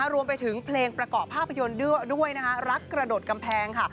รวมไปถึงเพลงประเกาะภาพยนตร์ด้วยรักกระโดดกำแพง